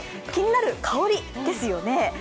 気になる香りですよね。